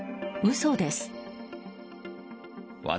嘘です。